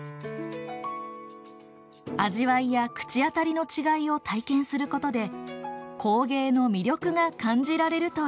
の違いを体験することで工芸の魅力が感じられるといいます。